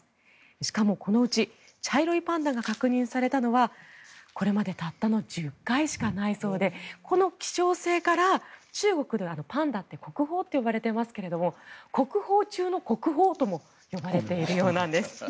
しかもこのうち茶色いパンダが確認されたのはこれまでたったの１０回しかないそうでこの希少性から中国ではパンダって国宝って呼ばれていますけれども国宝中の国宝とも呼ばれているようなんです。